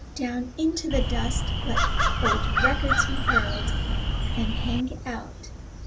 Down into the dust let old records be hurled, And hang out 2.